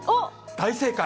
大正解。